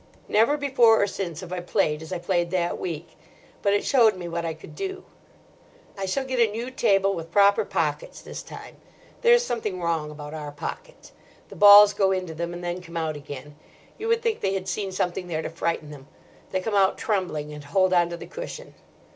Never before or since have I played as I played that week. But it showed me what I could do. I shall get a new table, with proper pockets this time. There is something wrong about our pockets. The balls go into them and then come out again. You would think they had seen something there to frighten them. They come out trembling and hold on to the cushion.